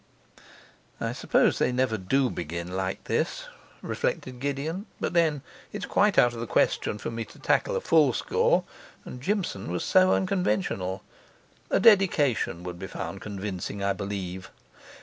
'I suppose they never do begin like this,' reflected Gideon; 'but then it's quite out of the question for me to tackle a full score, and Jimson was so unconventional. A dedication would be found convincing, I believe.